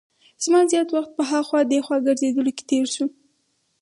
زما زیات وخت په هاخوا دیخوا ګرځېدلو کې تېر شو.